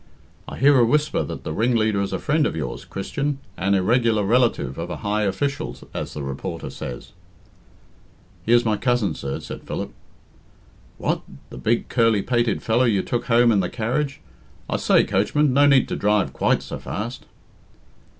"I hear a whisper that the ringleader is a friend of yours, Christian 'an irregular relative of a high official,' as the reporter says." "He is my cousin, sir," said Philip. "What? The big, curly pated fellow you took home in the carriage?... I say, coachman, no need to drive quite so fast."